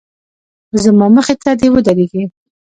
زما مخې ته دې ودرېږي.